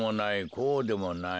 こうでもない。